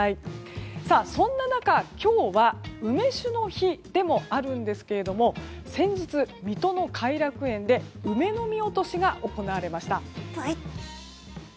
そんな中、今日は梅酒の日でもあるんですけれども先日、水戸の偕楽園で梅の実落としが行われました。